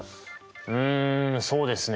うんそうですね